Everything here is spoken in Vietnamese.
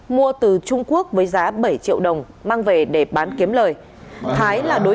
mua từ trung quốc với giá bảy triệu đồng mang về để bán kiếm lời